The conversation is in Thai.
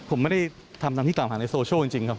ผมไม่ได้ทำตามที่กล่าวหาในโซเชียลจริงครับ